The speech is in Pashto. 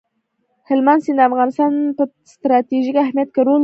هلمند سیند د افغانستان په ستراتیژیک اهمیت کې رول لري.